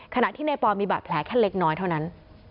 ขณะที่ในปอลมีบาดแผลแค่เล็กน้อยเท่านั้น